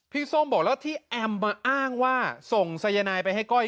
ส้มบอกแล้วที่แอมมาอ้างว่าส่งสายนายไปให้ก้อย